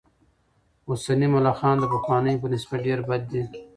اوسني ملخان د پخوانیو په نسبت ډېر بد دي.